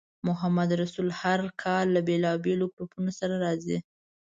محمدرسول هر کال له بېلابېلو ګروپونو سره راځي.